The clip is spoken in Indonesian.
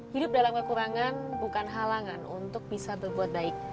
hidup dalam kekurangan bukan halangan untuk bisa berbuat baik